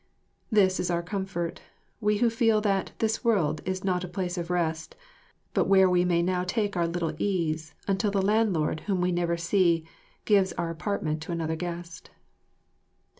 This is our comfort, we who feel that "this world is not a place of rest, but where we may now take our little ease, until the landlord whom we never see, gives our apartment to another guest."